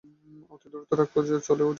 অতি দ্রুত রাগ চলেও যায়।